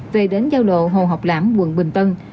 về đến giao lộ hồ học lãm quận bình tân